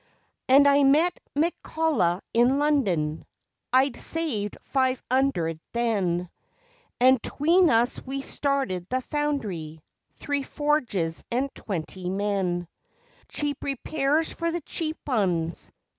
And I met McCullough in London (I'd saved five 'undred then), And 'tween us we started the Foundry three forges and twenty men: Cheap repairs for the cheap 'uns.